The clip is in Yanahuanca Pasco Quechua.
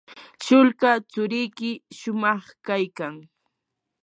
sulka tsurikiy shumaq kaykan.